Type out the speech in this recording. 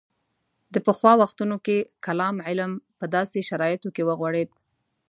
د پخوا وختونو کې کلام علم په داسې شرایطو کې وغوړېد.